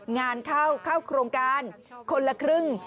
งานเข้าเข้าโครงการคนละครึ่ง